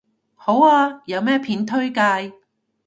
好啊，有咩片推介